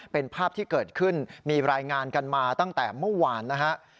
เป็นภาพที่เกิดขึ้นมีรายงานกันมาตั้งแต่เมื่อวานนะฮะ